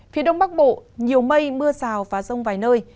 phía đông bắc bộ nhiều mây mưa rào và rông vài nơi